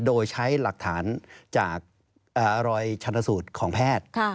โดยใช้หลักฐานจากรอยชันสูตรของแพทย์